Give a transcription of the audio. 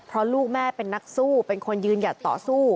เพราะลูกแม่เป็นนักสู้เป็นคนยืนหยัดต่อสู้